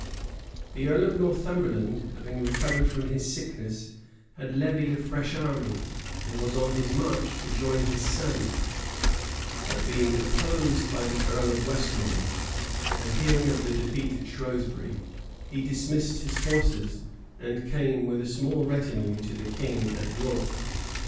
The earl of Northumberland, having recovered from his sickness, had levied a fresh army, and was on his march to join his son; but being opposed by the earl of Westmoreland, and hearing of the defeat at Shrewsbury, he dismissed his forces, and came with a small retinue to the king at York.